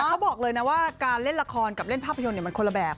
เขาบอกเลยนะว่าการเล่นละครกับเล่นภาพยนตร์มันคนละแบบ